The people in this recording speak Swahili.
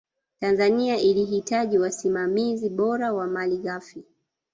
tanzania ilihitaji wasimamizi bora wa mali ghafi